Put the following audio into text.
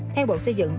theo bộ xây dựng